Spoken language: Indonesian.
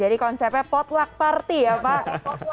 jadi konsepnya potluck party ya pak